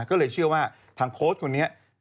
ก็เลยเชื่อว่าทางโค้ชคนนี้